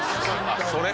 それ？